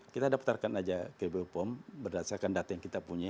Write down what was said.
kita daftarkan aja ke bepom berdasarkan data yang kita punya